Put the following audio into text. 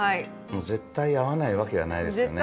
絶対合わないわけがないですよね。